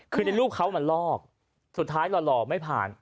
คือในรูปเขามันลอกสุดท้ายหล่อไม่ผ่าน